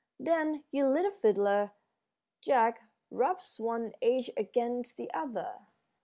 Then your little fiddler, Jack, rubs one edge against the other."